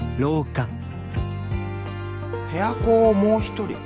部屋子をもう一人。